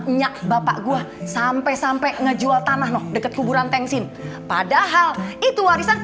enyak bapak gua sampai sampai ngejual tanah noh deket kuburan tengsin padahal itu warisan